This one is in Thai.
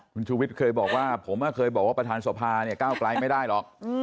คุณชูวิทย์เคยบอกว่าผมเคยบอกว่าประธานสภาเนี่ยก้าวไกลไม่ได้หรอก